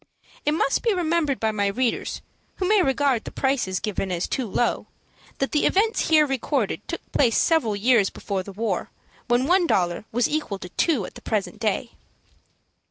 It must be remembered by my readers, who may regard the prices given as too low, that the events here recorded took place several years before the war, when one dollar was equal to two at the present day.